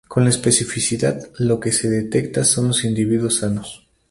Con la especificidad lo que se detecta son los individuos sanos.